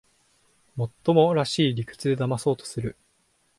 もっともらしい理屈でだまそうとする